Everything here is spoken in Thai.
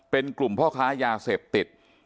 เป็นกลุ่มพ่อค้ายาเสพติด